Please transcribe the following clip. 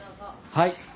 はい。